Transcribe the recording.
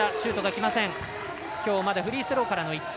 きょう、まだフリースローからの１点。